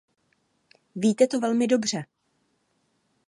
Víte to velmi dobře.